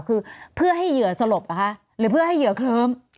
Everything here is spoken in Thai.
คือเพื่อให้เหยื่อสลบเหรอคะหรือเพื่อให้เหยื่อเคลิ้ม